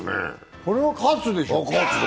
これは喝でしょ！